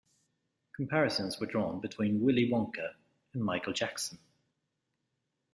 Comparisons were drawn between Willy Wonka and Michael Jackson.